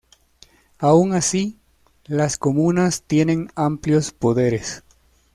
Aun así, las comunas tienen amplios poderes.